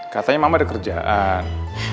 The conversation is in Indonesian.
katanya mama ada kerjaan